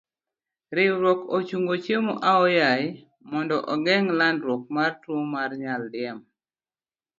Riwruok ochungo chiemo aoyaye mondo ogeng' landruok mar tuo mar nyal diema.